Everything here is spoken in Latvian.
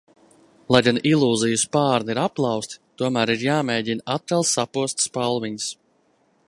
Lai gan ilūziju spārni ir aplauzti, tomēr ir jāmēģina atkal sapost spalviņas.